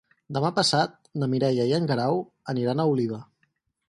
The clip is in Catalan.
Demà passat na Mireia i en Guerau aniran a Oliva.